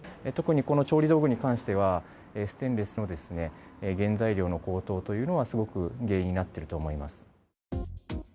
特に、この調理道具に関しては、ステンレスの原材料の高騰というのは、すごく原因になっていると思います。